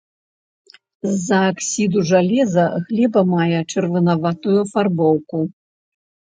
З-за аксідаў жалеза глеба мае чырванаватую афарбоўку.